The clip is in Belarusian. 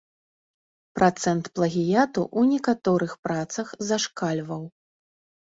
Працэнт плагіяту ў некаторых працах зашкальваў.